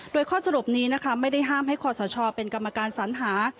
โดยข้อสรุปนี้นะคะไม่ได้ห้ามให้คอสชเป็นกรรมการสัญหา